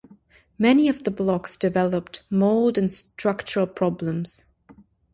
Many of the blocks developed mould and structural problems.